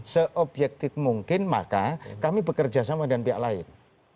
seobjektif mungkin maka kami bekerja sama dengan pihak lain